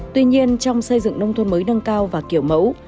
tuy nhiên trong xây dựng nông thôn mới nâng cao và kiểu mẫu